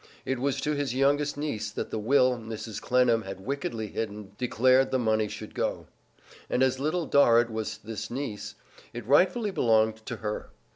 It was to his youngest niece that the will Mrs. Clennam had wickedly hidden declared the money should go. And as Little Dorrit was this niece, it rightfully belonged to her.